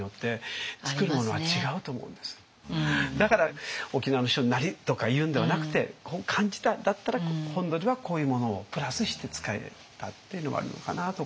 だから「沖縄の人なり」とかいうんではなくてこう感じたんだったら本土ではこういうものをプラスして使えたっていうのもあるのかなとか。